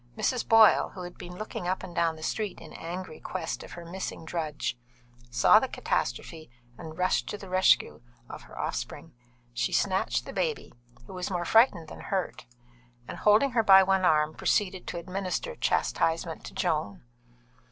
Mrs. Boyle, who had been looking up and down the street in angry quest of her missing drudge, saw the catastrophe and rushed to the rescue of her offspring. She snatched the baby, who was more frightened than hurt, and holding her by one arm, proceeded to administer chastisement to Joan.